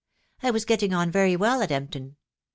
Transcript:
I was getting on very well at Empton.